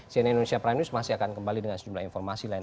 cnn indonesia prime news masih akan kembali dengan sejumlah informasi lain